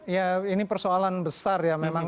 ya ini persoalan besar ya memang